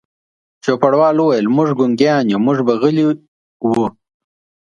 چوپړوال وویل: موږ ګونګیان یو، موږ به غلي وو.